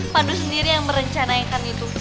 pandu sendiri yang merencanakan itu